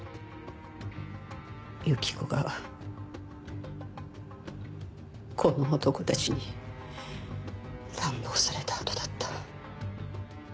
由紀子がこの男たちに乱暴された後だった。